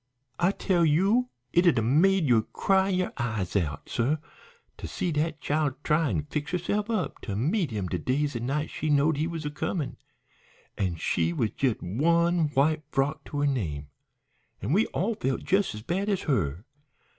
"I tell you it'd 'a' made ye cry yo' eyes out, suh, to see dat chile try an' fix herse'f up to meet him de days an' nights she knowed he was comin', an' she wid jes' one white frock to her name. An' we all felt jes' as bad as her.